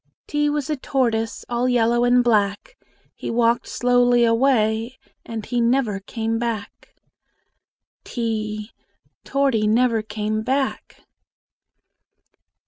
T was a tortoise, All yellow and black: He walked slowly away, And he never came back. t Torty never came back!